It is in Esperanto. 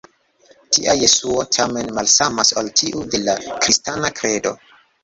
Tia Jesuo, tamen, malsamas ol tiu de la kristana kredo.